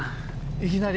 いきなり？